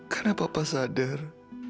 karena papa sadar